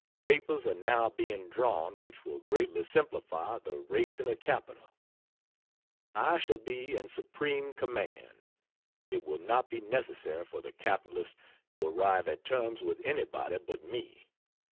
Papers are now being drawn which will greatly simplify the raising of capital; I shall be in supreme command; it will not be necessary for the capitalist to arrive at terms with anybody but me.